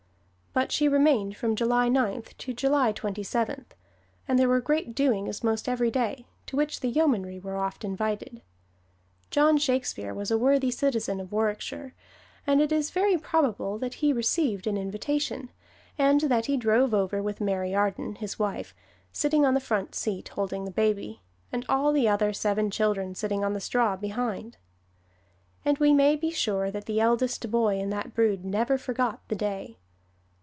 But she remained from July Ninth to July Twenty seventh, and there were great doings 'most every day, to which the yeomanry were oft invited. John Shakespeare was a worthy citizen of Warwickshire, and it is very probable that he received an invitation, and that he drove over with Mary Arden, his wife, sitting on the front seat holding the baby, and all the other seven children sitting on the straw behind. And we may be sure that the eldest boy in that brood never forgot the day.